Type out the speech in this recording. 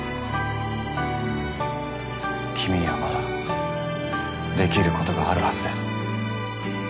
君にはまだできることがあるはずです。